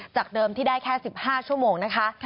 เดิมที่ได้แค่๑๕ชั่วโมงนะคะ